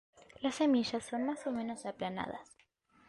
Las semillas son más o menos aplanadas".